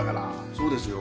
そうですよ。